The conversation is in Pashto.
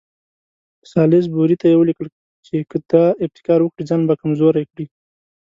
سالیزبوري ته یې ولیکل چې که دا ابتکار وکړي ځان به کمزوری کړي.